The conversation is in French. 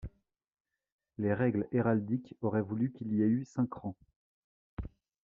Les règles héraldiques auraient voulu qu'il y ait eu cinq rangs.